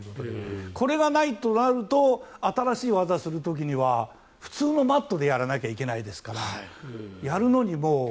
これがないとなると新しい技をする時は普通のマットでやらないといけないですからやるのにも。